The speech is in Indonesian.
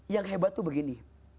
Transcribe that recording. yang hebat tuh begini